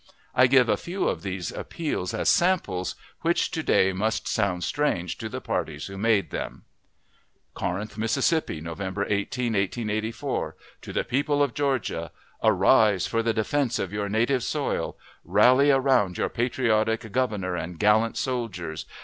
I give a few of these appeals as samples, which to day must sound strange to the parties who made them: Corinth, Mississippi, November 18, 1884. To the People of Georgia: Arise for the defense of your native soil! Rally around your patriotic Governor and gallant soldiers!